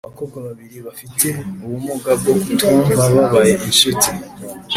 abakobwa babiri bafite ubumuga bwo kutumva babaye incuti